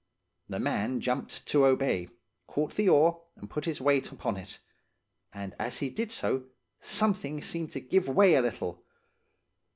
"The man jumped to obey, caught the oar, and put his weight upon it; and as he did so, something seemed to give way a little.